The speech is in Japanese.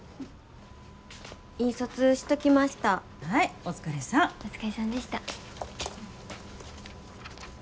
お疲れさんでした。